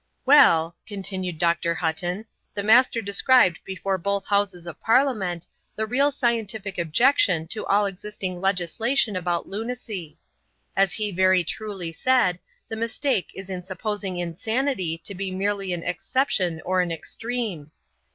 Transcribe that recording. "Well," continued Dr. Hutton, "the Master described before both Houses of Parliament the real scientific objection to all existing legislation about lunacy. As he very truly said, the mistake was in supposing insanity to be merely an exception or an extreme.